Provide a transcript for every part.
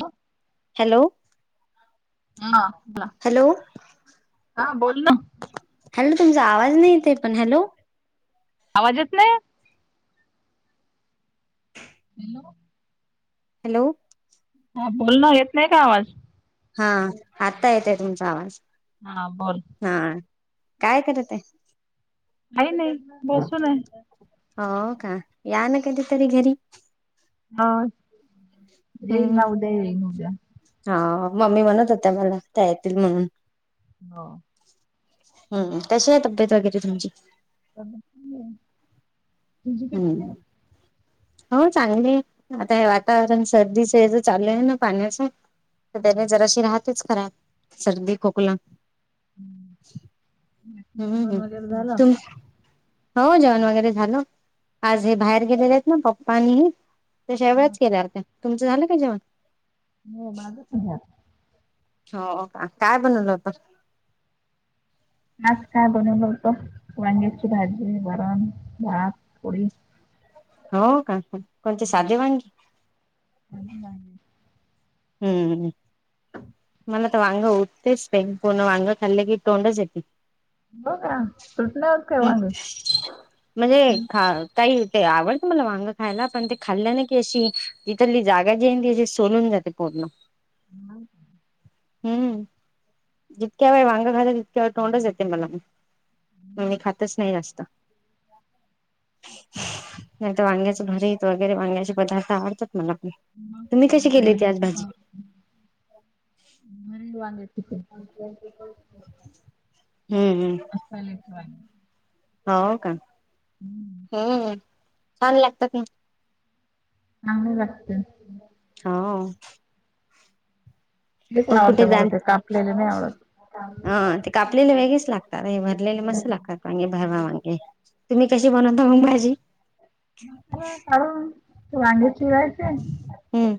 हॅो hello हाला hello हा बोल ना हॅलो तुमचा आवाज नाहीेत पण हॅलो आवाज येत नाही हॅलो हॅलो हा बोलण येत नाही का आवाज हा आत्ता येते तुमचा आवाज हा बोल हा काय करत का नाही बसून आहे हो का या ना कधी तरी घरी ह येन ना हम्म उद्या येन उद्या हा मम्मी म्हणत होत्या मला त्या येतील म्हणून हो हम्म तश आहे तब्येत वगैरे तुमची अ हम्म हो चांगली आता हे वातावरण सर्दीच ज चालू आहे ना पाण्याच तर त्याने जराशी राहतेच खराब सर्दी खोकला हम्म जेवण हम् वगैरे झालं तुम हो जेवण वगैरे झालं आज हे बाहेर गेलेले आहेत ना पप्पानीही त्याश्या व्याच केल्या त्या तुमचं झालं का जेवण हो बाजच घ हो का काय बनवल होत आज काय बनव बतो वांग्याची भाजी वरण भात पोळी हो का कोणते साधे वांगी आणि हम्मम्म म वाां उत्तेच पेन पूर्ण वाां कल्ले क इ टों जपी का सुटले होत काय ह् वांगे म्हणजे खा काही ते आवडतं मला वांग खायला पण ते खाल्ल्या ना की अशी तिथरली जागा जी आहे तीशी सोलून जाते होण हम् हम्म जितक्या वेळ वांग घालं तितक्या वे तोंडच येते मला मग मणी खातच नाही जास्त नाही तर वांग्याच भरीत वगैरे वांग्याचे पदार्थ आवडतात मला पण ह तुम्ही कशी मग केली होती माझ आज खू भाजी का मरे वाांग त हम्म हम असलचय हो का हम्म. हम् छान लागतात ना हग भक्त होा क आवडतं मग ते कापलेले नाही आवडत ह ते कापलेले वेगळेच लागतात हे भरलेले मस्त हम्म. लागतात मांगे बावा मांगे तुम्ही कशी बनवता मबायजची म काून वांगे पिवायचे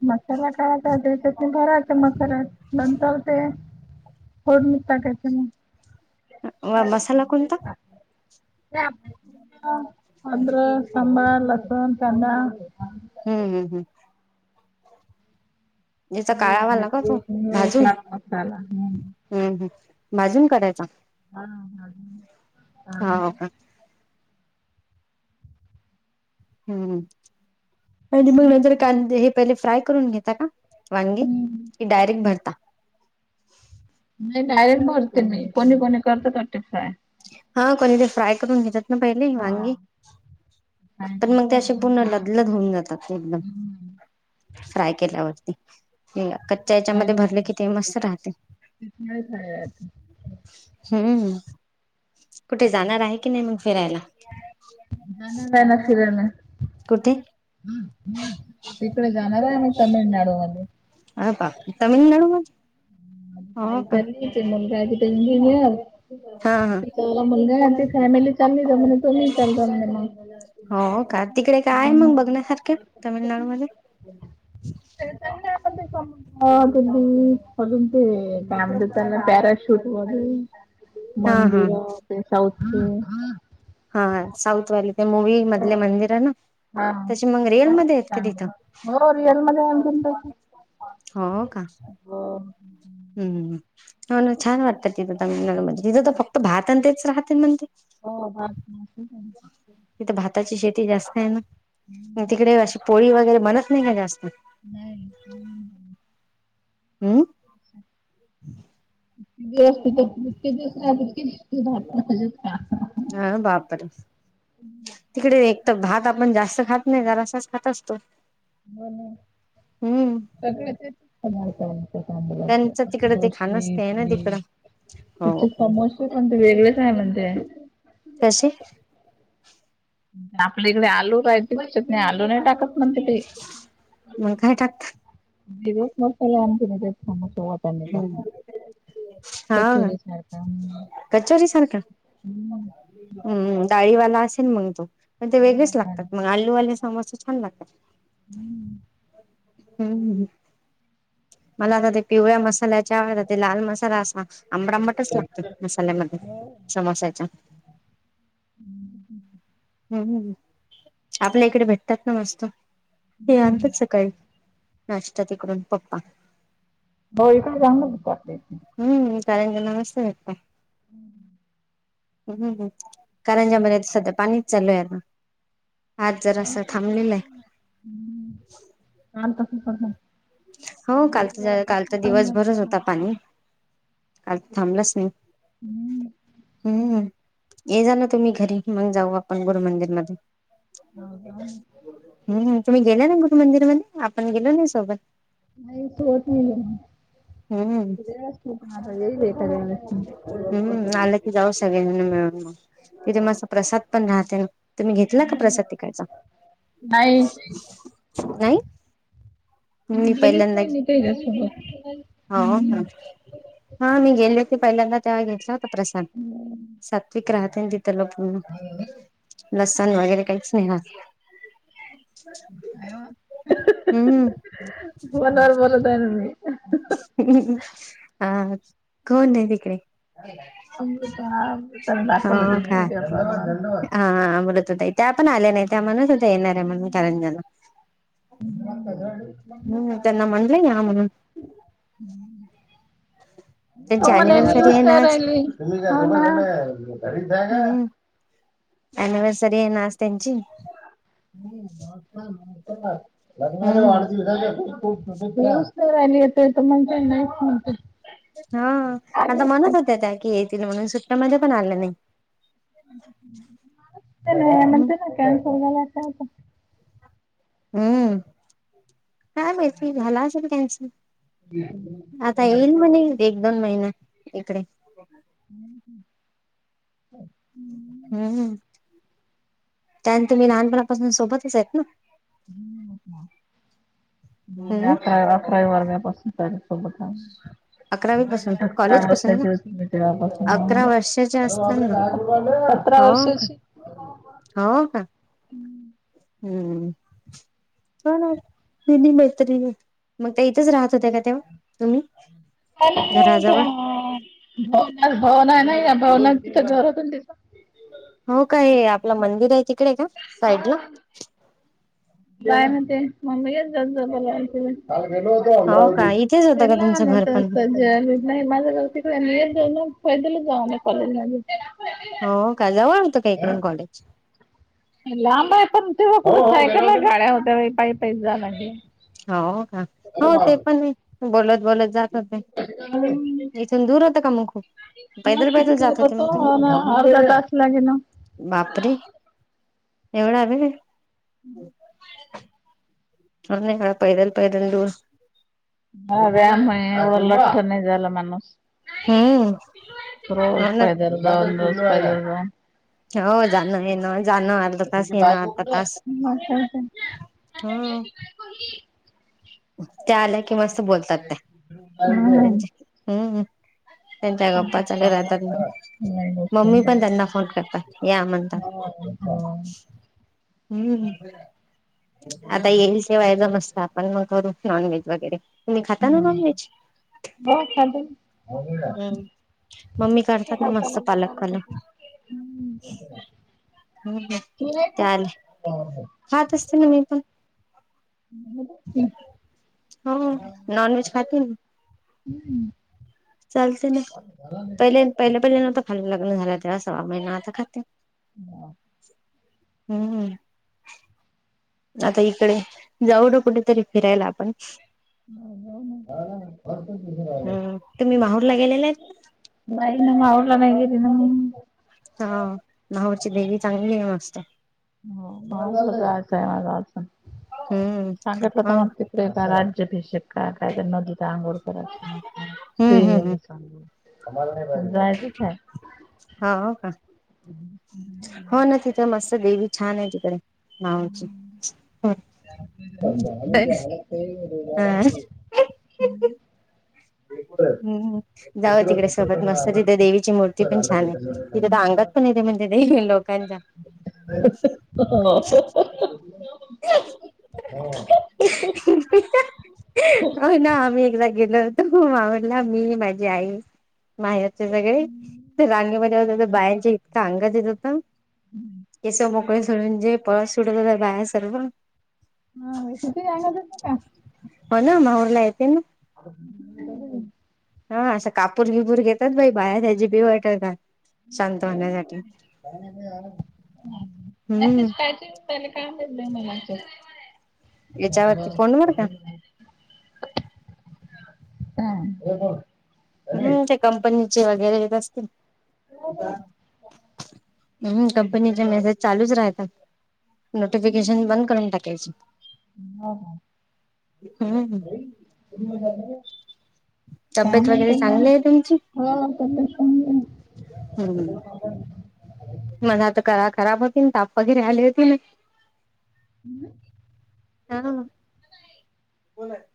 मसाला कायचा तर त भरायच मसाला नंतर ते होड निघ टाकायच मग व मसाला कोणता अ्र साांबळ लसुण चंग हम्म हम् हम् ज्याचा हे काळावा लाग भाजी तो हे भाजून चाट मसाला. हम्म. हम्म हम् भाजून कराायचा हा ह हा का हम् आणि मग नंतर ते- कांदे हे पहिले फ्राय करून घेता का वंगी हम्म. डयरेक्ट बरता नाही गायरन भरते मी कोणी कोणी करत टी फाय हा कोणीतरी फ्राय करून घेतात ना पहिले वांगी काय पण मग ते असे पूर्ण नंतर लदलद होऊन जातात एकदम मसाल्या् फ्राय केल्यावरती क त्याच्यामध्ये भरले कि ते मस्त राहते हम्म कुठे जाणार आहे की नाही मग फिरायला नाही ना नाही ना फिर ना कुतीे तिकडे जाणार आहे आम्ही तमिळनाडू मध्ये अ प तमिळनाडू म मा काही झाली ते मुलगा तिथ इंजिनिर हा हा म्हण त फॅमिली चालली जा म्हण तुम्ही ल म्ह हो का तिकडे काय मग बघण्यासारखे तामिळनाडूमध्येध्ये [inaudible] हो त ते काम द परााशूट हो हा हा मंदिरो ते सौथ हा साऊथवाली ते मूवी मधले मंदिरे ना, हा तशी मग छान आहे ते रिअलमध्येयेत का? चांगलं तिथं. हो रियल मध्येया हो का? हम्म हम्म हम्म, हो ना छान वाटतं तिथं म्हणजे तिथं, तामिळनाडू मध्ये, तिथं त फक्त भातन तेच राहते म्हणते. हो म. तथे भाताची शेती जास्तय ना, तिकडे अशी पोळी वगैरे बनत नाही का? जास्त. नाही. अम्म. हम् [inaudible] दिवस् तिथे जीतके दिवस राहता, तितके दिवस ह बापरे. तिकडे एक त भात आपण जास्त खात नाही, जरासाच खात असतो. ब हम्म सगळे तेच छोटे, त्यांचं तिकडे ते खाणच ते आहे ना डली तिकडं हो त्याचे समो पण वेगळेच आहे म्हणतेय. कसे आपल्या इकडे आलू राहायचे बसत नाही आलू नाही टाकत म्हण तिथ ते मग काय टक दिवस मला आण त ते समततानी हा कचोरी सारख हम्म डाळीवाला असेल मग तो. ते वेगळेच लागतात मग, आलूवाले समोसे छान लागतात. हम्म हम्म, मला आता ते पिवळ्या मसाल्या ते लाल मसाला असा आंबटच आंबटच लागतो, मसाल्यामध्ये, समोसाच्या. हम् [inaudible] हम्म हम्म हम्म, आपल्या इकडे भेटतात ना मस्त, हे आणतात सकाळी. नाश्ता तिकडून पप्पा. हो इकडे जाऊ ना हम्म कांरजाला मस्त वाटता. हम्म [inaudible] हम्म हम्म, कारंजामध्ये सध्या पाणीच चालूये, आता. आज जरा असं पाऊस इकडे थांबलेलंय. आहे. हम्म. हा तस पण होतं. काल हो कालचा कालचा दिवसभरापासून पाणी दिवसभरच असताना होता पाणी. काल थांबलंच नाही, हम्म. हम्म. ये जा ना तुम्ही घरी, मग जाऊ आपण गुरुमंदिरमध्ये. हो का? हम्म, तुम्ही गेल्या नाही गरु मंदिर मध्ये, आपण गेलो नाही सोबत. नाही सोबत नाही गेलो. हम्म हम्म, आलं की जाऊ सगळे जन मिळून मग. तिथे मस्त प्रसाद पण राहते ना, तुम्ही घेतला का प्रसाद तिकडचा. नाही. नाही. तिथे मी गेलीच पहिल्यांदा, नाही मी त्याच्यासोबत. हो का? हम्म हा मी गेले होते पहिल्यांदा तेव्हा घेतला होता प्रसाद, सात्विक राहते ना ती त्याला प लसण वगैरे काहीच नाही राहत. हम्म हम्म. बरोबर बोलतेय ना मी. हा कोणे तिकडे. अमृतधाम दाखवलं हो तिने, का व्हिडिओ कॉल मध्ये. हा बोलत होता, त्या पण आल्या नाही, त्या म्हणत होता येणारे म्हणून करंजाला. [unintelligible] हम्म त्यांना म्हणलंय या म्हणून. त्यांची तुम्हाला हे ना अनिव्हर्सरी युज आहे नाही आज राहिली. म्हणून हम्म अनिव्हर्सरी आहे ना आस त्यांची. लग्नाच्या हम्म वाढदिवसाच्या खूप खूप युच नाही राहिली. तर तो म्हणतो ना नाईच म्हणतोय. हा आता म्हणत होत्या त्या की, येतील म्हणून सुट्टमध्ये पण आलं नाही. त्यांना हम्म म्हणते ना कायमस्वरूपीच्या हम्म काय माहिती झाला असेल कॅनसल आ ता येईल म्हणे एक दोन महिन इकडे. [inaudible] हम्म. त्यानंतर मी लहानपणापासून सोबतच आहेत ना? हम्म आता आपल्या वर्धा पासून. त्याच्या सोबत हाव, अकरावी पासून कॉलेज चार पासून का वर्षाची होती मी, तेव्हा पासून अकरा म, वर्षाच्या असताना सतरा हो का वर्षची हो का? हम्म चला, केली मैत्री. मग त्या इथेच राहत होत्या का तेव्हा तुम्ही? घराजवळ भवना भवना आहे ना या भवना तिचं घर होत दिस हो काय? आपलं मंदिर आहे तिकडे का साईड ला? काय म्हणते? [unintelligible] अमरावती हो का इथेच होतं का यांना तुमचं आला घर पण असेल. ज नाही माझं ग तिकडे जाऊ ना फैदल जाऊ म कॉलेज मध्ये. हो का जवळ होतं काय हा? इकडून कॉले? लांब आहे पण ते. ब सायकल ला गाडया होत्या बाई पाय पाई जाला. हो ह हो ते पण बोलत बोलत. जात होते. इथून दूर होत का मग खूप? म पैदल कती पैदल जात दूरत होते होतो. मग तुम्ही अर्धा तास लागे ना. बापरे एवढा आहे का? ह् पैदल पैदल दू ह व्यायाम आहे एवढं लठ्ठ नाही झाला माणूस. हम्म रोज हो ना पायदल द रोज पायदल जाऊन. हो जाण येन जान अर्ध तास तुझी येन बायको अर्ध कुठे तास. आहे? मग काय तर. हा. त्या आल्या कि मस्त बोलतात ते त्यां हम्म. हम्म. त्यांच्या गप्पा तुमच्या चालू राहतात पायाला नाही गोष्ट मम्मी पण नाही. त्यांना फोन करतात या म्हणतात. नाही हम्म आता येईल शवा्हाय ज मस्तात. म मगू नॉन व्हेज वगैरे तुम्ही खाता ना नॉन व्हेज? ब हम्म मम्मी [unintelligible] करतात ना मस्त पालक पालक तुम्ही नाही हम्म खात का? पाहात असते ना मी पण? हो नॉन व्हेज खातात. हम्म्. चालते ना. पहिले पहिले पहिले ना खा लग्न झालं तेव्हा सव्वा महिना आता खाते. हम्म. आता इकडे जाऊ ना कुठेतरी फिरायला आपण हम्म तुम्ही [unintelligible] माहूरला गेलेले आहेत [inaudible] हा नावाची देवी चांगली आहे मस्त हो म जायचंय माझ अडचण हम्म सांगितलं तर माहू मग ते बे का राज्यभिशेक का काय तर नदी तर आंघोळ करायच हम्म हम्म ते हम्म जायच. हो का हो ना तिथ मस्त देवी छान आहे तिकडे हा ह ते झा हम् हम्म जाऊ तिकडे सोबत मस्त तिथे देवीची मूर्ती पण छान आहे तिथे तर अंगात ण ते म्हणज लोकांनाच्या ह हो हो ना आम्ही एकदा गेलो होतो. मावडला मी माझी आई. माहेरचे सगळे रांगेमध्ये होते तर बायांच्या इतका अंगात येत होता. केस मोकळे सडून जे पळस सुटत हो बाहेर सर्व. हा विसती यांंगल का? हो ना माहूर ला येते ना. [unintelligible] हा असं कापूर किपूर घेतात बाई बाहेर ह्याची बी वाटल का हम्म मेसेज पाहिजे याच्यावरती फोन वर का [unintelligible] हम्म हम्म त्या कंपनीचे वगैरे येत असतील हो हो हम्म कंपनीच्या मेसेज चालूच राहता नोटिफिकेशन बंद करून टाकायचे हम्म त झा तब्येत काम वगैरे हा चांगली आहे तुमची मना तर करा खराब होती ताप वगैरे आले होती ना हम्म हा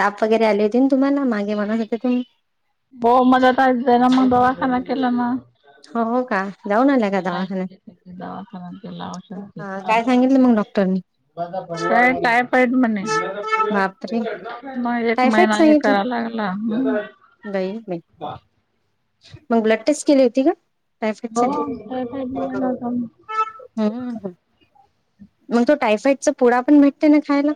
ताप वगैरे आले होती तुम्हाला मागे मणास हो त हो मजत आयच जा आहे ना मग बावाखाना केला ना हो का जाऊन आल्या का दवाखान्यात दवाखाना केला औषध काय घेतली. सांगितलं मग डॉक्टरनी काय टायपईड म्हणे बापरे मग एक महिना हे करा लागला नाहीई नाही वा मग ब्लड टेस्ट केली होती का टायफॉईड सा टायफॉइड निघाला होता. हम्म मग तो टायफाईडचा पुडा पण भेटते ना खायला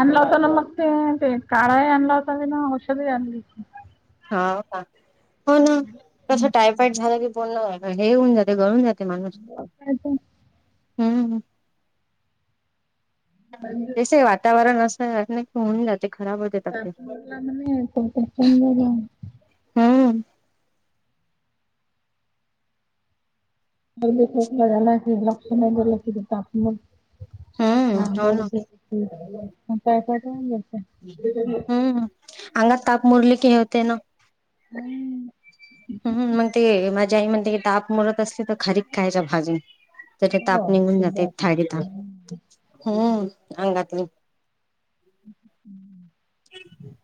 आणला होता ना मग ते ते काळाही आणला होता ब ना औषध आणली हा हो ना कसं टायफॉईड झालं की पनण हे होऊन जातं गळून जात माणूस होती. हम्म ब जसे वातावरण असं वा नाही की होऊन जाते खराब हो पाप गडला म कपचंद जा [unintelligible] हम्म लक्ष नाही ब क तप हम्म हा हो गोड ना [unintelligible] पैसा का हम्म अंगात ताप मुरली की हे होते ना हम् हम्म मग ते माझ्या आई म्हणते की ताप मोरत असले तर खारीक खायच्या भाजून त्या ताप बरं निघून जाते थाळी दुधात तप हम् अंगातून हम्म ह